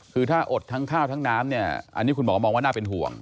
คือถ้าอดทั้งข้าวทั้งน้ำเนี่ยอันนี้คุณหมอมองว่าน่าเป็นห่วง